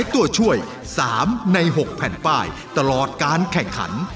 ตัวช่วย๓ใน๖แผ่นป้ายตลอดการแข่งขัน